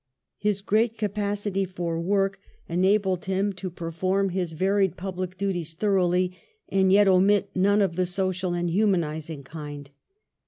His great capacity for work enabled him to perform his II COMMANDS m MYSORE 49 varied public duties thoroughly and yet omit none of the social and humanising kind.